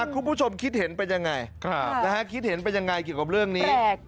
คุณผู้ชมคิดเห็นเป็นยังไงคิดเห็นเป็นยังไงเกี่ยวกับเรื่องนี้